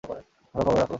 ভালো খবর রাখো।